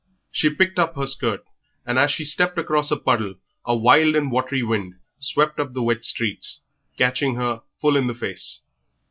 She picked up her skirt, and as she stepped across a puddle a wild and watery wind swept up the wet streets, catching her full in the face.